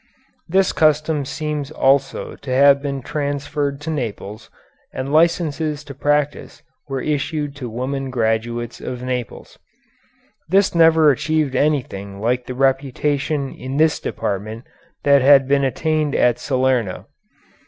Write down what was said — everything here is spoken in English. This custom seems also to have been transferred to Naples, and licenses to practise were issued to woman graduates of Naples. This never achieved anything like the reputation in this department that had been attained at Salerno.